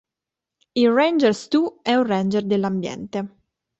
Il Ranger Stu è un ranger dell'ambiente.